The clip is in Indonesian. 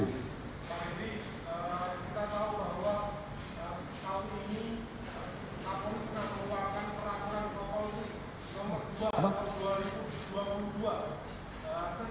kita tahu bahwa tahun ini